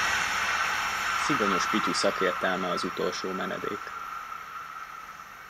Szigonyos Pityu szakértelme az utolsó menedék.